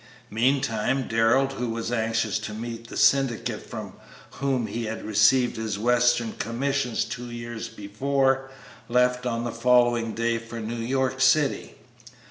Meantime, Darrell, who was anxious to meet the syndicate from whom he had received his western commission two years before, left on the following day for New York City.